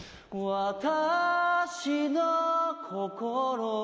「わたしのこころ